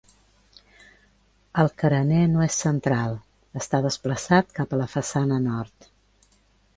El carener no és central, està desplaçat cap a la façana nord.